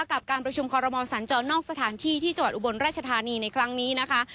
กับการประชุมคอรมอสัญจรนอกสถานที่ที่จังหวัดอุบลราชธานีในครั้งนี้นะคะ